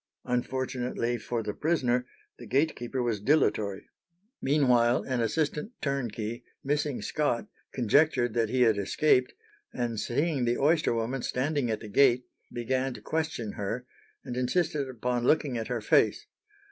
Unfortunately for the prisoner the gatekeeper was dilatory. Meanwhile, an assistant turnkey, missing Scott, conjectured that he had escaped, and seeing the oyster woman standing at the gate, began to question her, and insisted upon looking at her face.